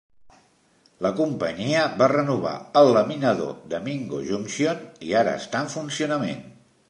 La companyia va renovar el laminador de Mingo Junction i ara està en funcionament.